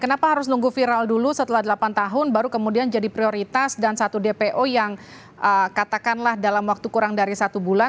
kenapa harus nunggu viral dulu setelah delapan tahun baru kemudian jadi prioritas dan satu dpo yang katakanlah dalam waktu kurang dari satu bulan